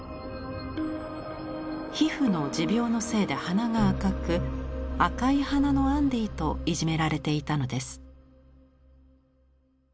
皮膚の持病のせいで鼻が赤く赤い鼻のアンディといじめられていたのです。